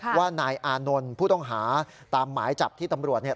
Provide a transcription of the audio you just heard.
ว่านายอานนท์ผู้ต้องหาตามหมายจับที่ตำรวจเนี่ย